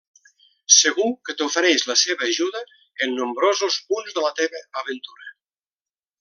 Segur que t'ofereix la seva ajuda en nombrosos punts de la teva aventura.